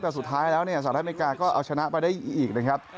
แต่สุดท้ายแล้วสหรัฐอเมริกาก็เอาชนะไปได้อีก